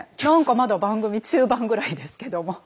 何かまだ番組中盤ぐらいですけども。